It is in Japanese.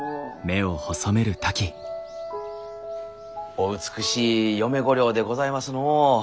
お美しい嫁御寮でございますのう。